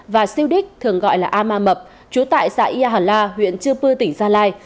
và siudik thường gọi là amamab trú tại xã yà hà la huyện chư pư tỉnh gia lai